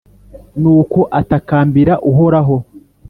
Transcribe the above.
nuko atakambira uhoraho,